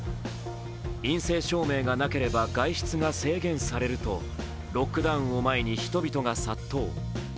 陰性証明がなければ外出が制限されるとロックダウンを前に人々が殺到。